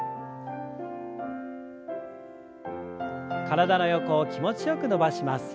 体の横を気持ちよく伸ばします。